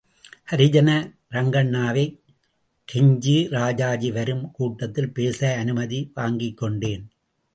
ஹரிஜன ரங்கண்ணாவைக் கெஞ்சி ராஜாஜி வரும் கூட்டத்தில் பேச அனுமதி வாங்கிக் கொண்டேன்.